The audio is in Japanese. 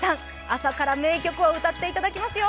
朝から名曲を歌っていただきますよ。